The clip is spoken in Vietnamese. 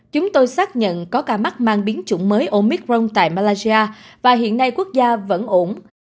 chúng tôi xác nhận có ca mắc mang biến chủng mới omicron tại malaysia và hiện nay quốc gia vẫn ổn